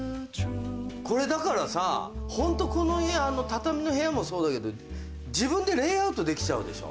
これだからさホントこの家畳の部屋もそうだけど自分でレイアウトできちゃうでしょ。